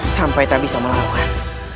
sampai tak bisa melakukan